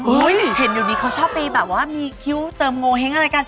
เห็นอยู่ดีเขาชอบไปแบบว่ามีคิ้วเจิมโงเห้งอะไรกัน